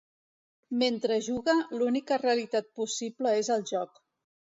Mentre juga, l'única realitat possible és el joc.